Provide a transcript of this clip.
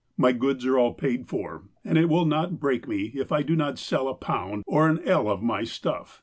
My goods are all paid for, and it will not break me if I do not sell a i)ound or an ell of my stuff.